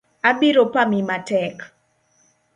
Abiro pami matek.